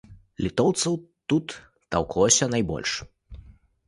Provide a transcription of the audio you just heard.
Літоўцаў тут таўклося найбольш.